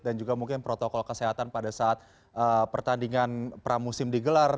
dan juga mungkin protokol kesehatan pada saat pertandingan pramusim digelar